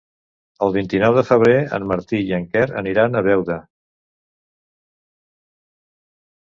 El vint-i-nou de febrer en Martí i en Quer aniran a Beuda.